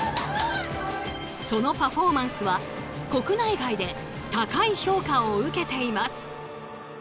そのパフォーマンスは国内外で高い評価を受けています。